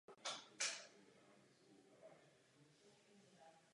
Městské muzeum má ve svých sbírkách čtyři jeho portrétní fotografie a také jeho portrét.